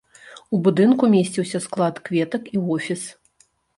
У будынку месціўся склад кветак і офіс.